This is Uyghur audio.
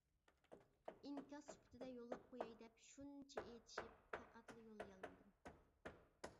ئىنكاس سۈپىتىدە يوللاپ قۇياي دەپ شۇنچە ئىچىشىپ پەقەتلا يوللىيالمىدىم.